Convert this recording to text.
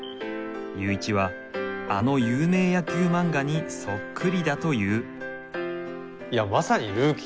ユーイチはあの有名野球漫画にそっくりだと言う。